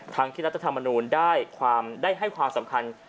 ทั้งที่รัฐธรรมนูลได้ให้ความสำคัญ